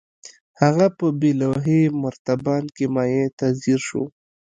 هغه په بې لوحې مرتبان کې مايع ته ځير شو.